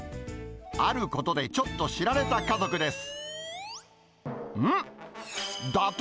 あることでちょっと知られた家族です。